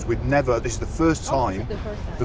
ini adalah pertama kalinya